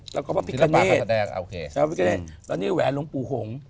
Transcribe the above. แล้วก็พ่อพิคะเนธแล้วนี่แหวนลงปู่หงษ์